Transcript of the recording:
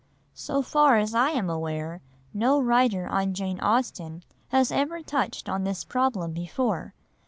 So far as I am aware, no writer on Jane Austen has ever touched on this problem before.